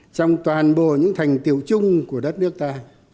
trong toàn bộ những thành tiệu chung của đất nước ta